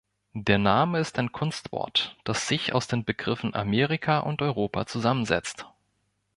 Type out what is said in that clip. Der Name ist ein Kunstwort, das sich aus den Begriffen Amerika und Europa zusammensetzt.